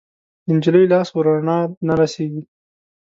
د نجلۍ لاس ورڼا نه رسیږي